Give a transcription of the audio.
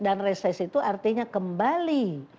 dan reses itu artinya kembali